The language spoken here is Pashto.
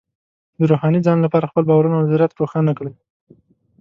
د روحاني ځان لپاره خپل باورونه او نظریات روښانه کړئ.